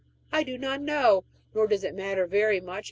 I do not know, nor does it matter very much.